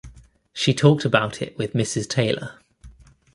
She talked about it with Mrs. Taylor.